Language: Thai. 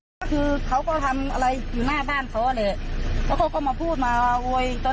มันไม่ได้เกี่ยวกับแกเลยเรื่องของเรื่องนี้